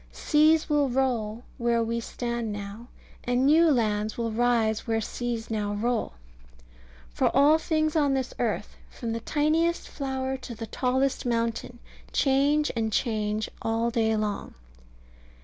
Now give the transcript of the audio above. Seas will roll where we stand now, and new lands will rise where seas now roll. For all things on this earth, from the tiniest flower to the tallest mountain, change and change all day long.